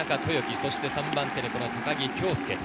そして３番手のこの高木京介。